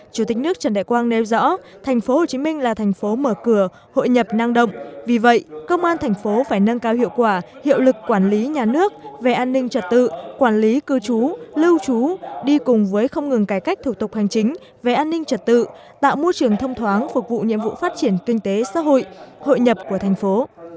chủ tịch nước trần đại quang nêu rõ tp hcm là thành phố mở cửa hội nhập năng động vì vậy công an tp hcm phải nâng cao hiệu quả hiệu lực quản lý nhà nước về an ninh trật tự quản lý cư trú lưu trú đi cùng với không ngừng cải cách thủ tục hành chính về an ninh trật tự tạo môi trường thông thoáng phục vụ nhiệm vụ phát triển kinh tế xã hội hội nhập của thành phố